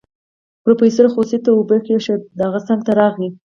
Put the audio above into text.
پروفيسر خوسي ته اوبه کېښودې د هغه څنګ ته راغی.